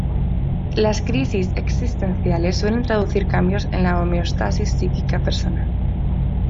Las crisis existenciales suelen traducir cambios en la homeostasis psíquica personal.